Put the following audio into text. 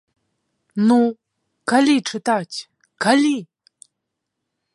Ну, калі чытаць, калі?!